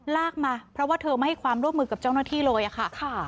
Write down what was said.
ลากมาเพราะว่าเธอไม่ให้ความร่วมมือกับเจ้าหน้าที่เลยค่ะ